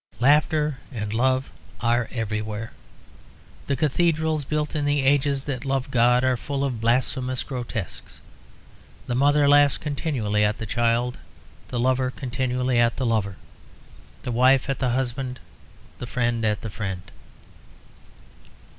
Laughter and love are everywhere. The cathedrals, built in the ages that loved God, are full of blasphemous grotesques. The mother laughs continually at the child, the lover laughs continually at the lover, the wife at the husband, the friend at the friend.